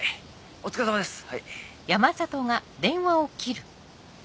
お疲れさまです。